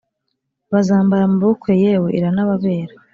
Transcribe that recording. bazambara mubukwe yewe iranababera